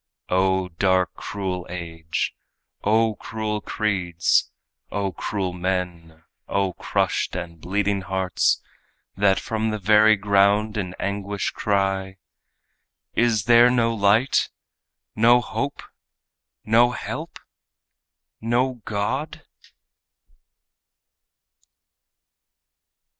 O dark and cruel age! O cruel creeds! O cruel men! O crushed and bleeding hearts, That from the very ground in anguish cry: "Is there no light no hope no help no God?"